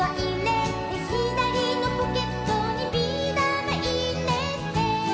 「ひだりのポケットにビーダマいれて」